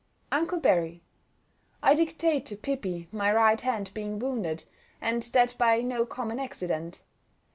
UNCLE BARRY,—I dictate to Pippi, my right hand being wounded, and that by no common accident.